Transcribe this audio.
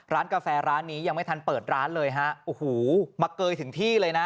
กาแฟร้านนี้ยังไม่ทันเปิดร้านเลยฮะโอ้โหมาเกยถึงที่เลยนะ